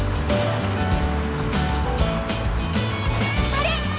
あれ！